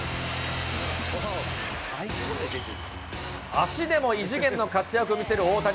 足でも異次元の活躍を見せる大谷。